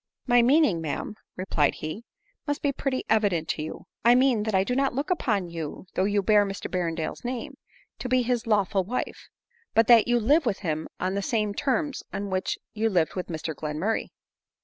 " My meaning, raa'am," replied he, " must be pretty evident to you ; I mean that I do not look upon you, % though you bear Mr Berrendale's name, to be his lawful wife ; but that you lite with him on the same terms on which you lived with Mr Glenmurray."